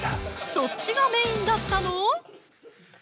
そっちがメインだったの？